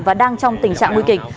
và đang trong tình trạng nguy kịch